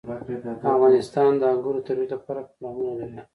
افغانستان د انګور د ترویج لپاره پروګرامونه لري.